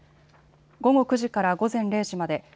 午後９時から午前０時まで。